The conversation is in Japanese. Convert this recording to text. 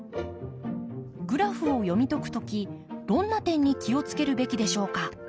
グラフを読み解く時どんな点に気を付けるべきでしょうか？